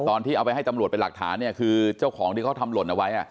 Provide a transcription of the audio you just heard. ตอนที่เอาไปให้ตำรวจเป็นหลักฐานเนี่ยคือเจ้าของที่เขาทำหล่นเอาไว้